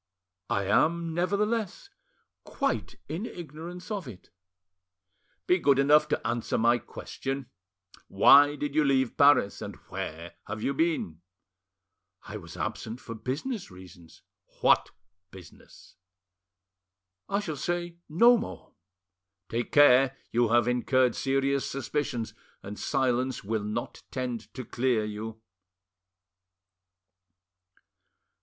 "I am, nevertheless, quite in ignorance of it." "Be good enough to answer my question. Why did you leave Paris? And where have you been?" "I was absent for business reasons." "What business?" "I shall say no more." "Take care! you have incurred serious suspicions, and silence will not tend to clear you."